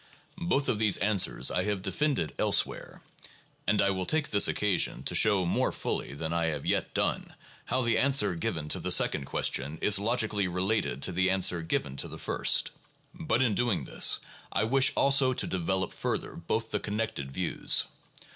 Both of these answers I have defended elsewhere, 3 and I will take this occasion to show more fully than I have yet done how the answer given to the second question is logically related to the answer given to the first, but in doing this I wish also to develop further both the connected views.